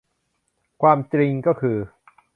ความจริงก็คือ